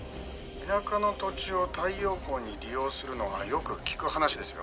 「田舎の土地を太陽光に利用するのはよく聞く話ですよ」